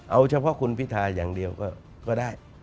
เอาเฉพาะคุณพิทาอย่างเดียวก็ได้